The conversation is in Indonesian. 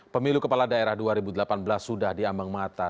pemilu kepala daerah dua ribu delapan belas sudah diambang mata